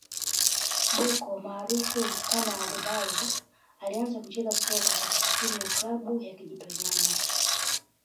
Bocco maarufu kama Adebayor alianza kucheza soka katika timu ya klabu ya Kijitonyama